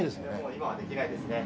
今はできないですね。